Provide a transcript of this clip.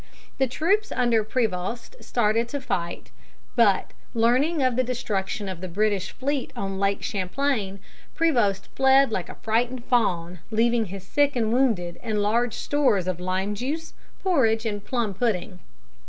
The troops under Prevost started in to fight, but, learning of the destruction of the British fleet on Lake Champlain, Prevost fled like a frightened fawn, leaving his sick and wounded and large stores of lime juice, porridge, and plum pudding.